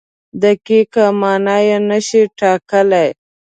دقیقه مانا نشي ټاکلی.